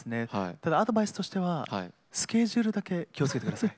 ただアドバイスとしてはスケジュールだけ気をつけてください。